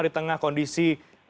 di tengah kondisi